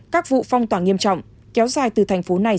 các vụ phong tỏa nghiêm trọng kéo dài từ thành phố này